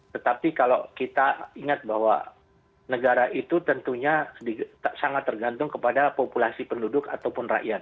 tetapi kalau kita ingat bahwa negara itu tentunya sangat tergantung kepada populasi penduduk ataupun rakyat